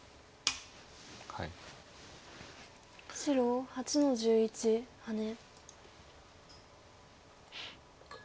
白８の十一ハネ。